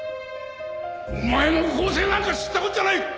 お前の更生なんか知ったこっちゃない！